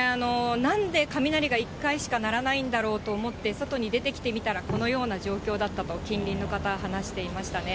なんで雷が１回しか鳴らないんだろうと思って外に出てきてみたら、このような状況だったと、近隣の方、話していましたね。